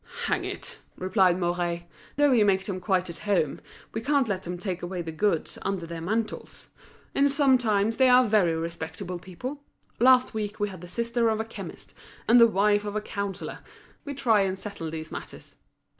"Hang it!" replied Mouret, "though we make them quite at home, we can't let them take away the goods under their mantles. And sometimes they are very respectable people. Last week we had the sister of a chemist, and the wife of a councillor. We try and settle these matters."